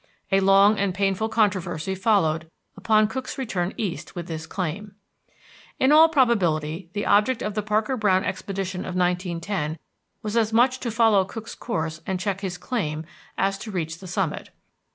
A long and painful controversy followed upon Cook's return east with this claim. In all probability the object of the Parker Browne expedition of 1910 was as much to follow Cook's course and check his claim as to reach the summit.